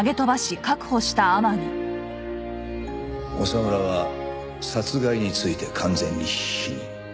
長村は殺害について完全に否認。